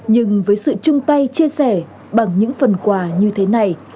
nhưng với sự chung tay chia sẻ bằng những phần quà như thế này